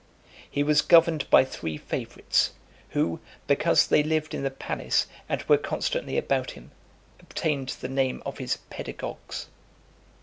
He was governed by three favourites, who, because they lived in the palace, and were constantly about him, obtained the name of his pedagogues.